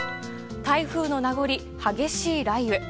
台風の名残、激しい雷雨。